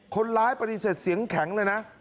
คนร้ายปฏิเสธเสียงแข็งเลยนะ